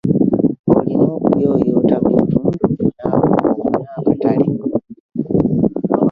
Olina okuyooyota byotunda osobole okufuna akatale.